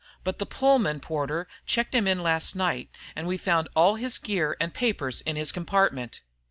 But the Pullman porter checked him in last night, and we found all his gear and papers in his compartment!"